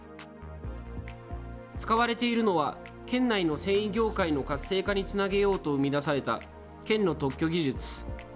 使われているのは、県内の繊維業界の活性化につなげようと生み出された県の特許技術。